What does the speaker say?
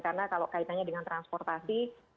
karena kalau kaitannya dengan transportasi